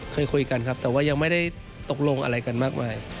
คุยกันครับแต่ว่ายังไม่ได้ตกลงอะไรกันมากมาย